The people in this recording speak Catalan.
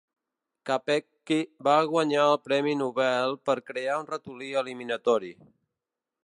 Capecchi va guanyar el premi Nobel per crear un ratolí eliminatori.